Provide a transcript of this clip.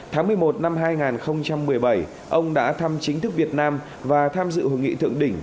tháng một mươi một năm hai nghìn một mươi bảy ông đã thăm chính thức việt nam và tham dự hội nghị thượng đỉnh